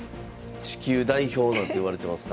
地球代表なんていわれてますから。